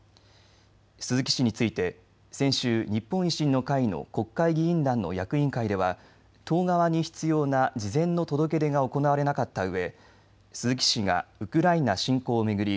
鈴木氏について先週、日本維新の会の国会議員団の役員会では党側に必要な事前の届け出が行われなかったうえ鈴木氏がウクライナ侵攻を巡り